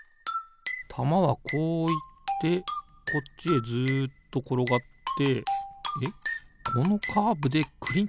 たまはこういってこっちへずっところがってえっこのカーブでくりってまがんのかな？